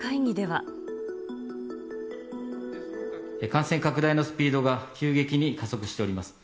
感染拡大のスピードが急激に加速しております。